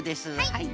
はい！